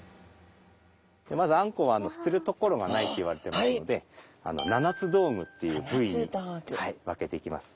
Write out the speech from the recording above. まずあんこうは捨てる所がないといわれてますので七つ道具っていう部位に分けていきます。